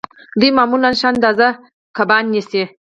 دوی معمولاً ښه اندازه کبان نیسي